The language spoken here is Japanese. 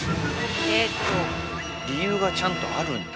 理由がちゃんとあるんだ。